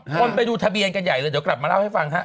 คนไปดูทะเบียนกันใหญ่เลยเดี๋ยวกลับมาเล่าให้ฟังฮะ